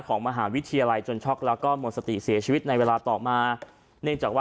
ของมหาวิทยาลัยจนช็อกแล้วก็หมดสติเสียชีวิตในเวลาต่อมาเนื่องจากว่า